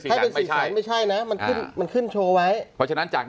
สีแสนไม่ใช่ไม่ใช่นะมันขึ้นมันขึ้นโชว์ไว้เพราะฉะนั้นจาก